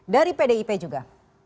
dari pdip juga